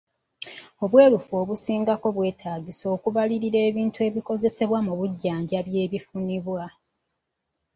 Obwerufu obusingako bwetaagisa okubalirira ebintu ebikozesebwa mu bujjanjabi ebifunibwa.